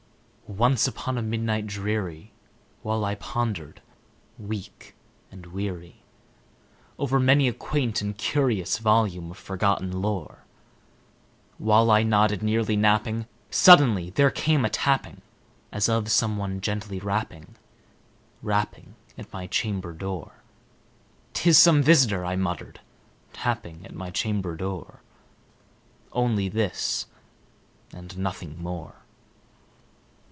Once upon a midnight dreary, while I pondered, weak and weary, Over many a quaint and curious volume of forgotten lore, While I nodded, nearly napping, suddenly there came a tapping, As of some one gently rapping, rapping at my chamber door. "'T is some visiter," I muttered, "tapping at my chamber door Only this, and nothing more."